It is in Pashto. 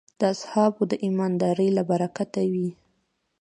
د اصحابو د ایماندارۍ له برکته وې.